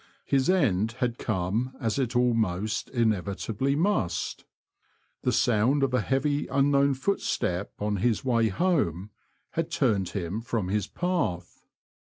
His end had come as it almost inevitably must. The sound of a heavy unknown footstep on his way home, had turned him from his path.